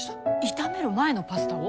炒める前のパスタを？